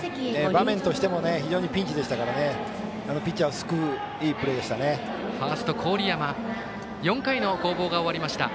場面としても非常にピンチでしたからピッチャーを救ういいプレーでした。